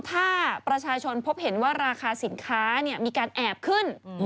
ถ้าประชาชนพบเห็นว่าราคาสินค้ามีการแอบขึ้น